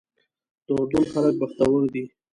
د اردن خلک بختور دي.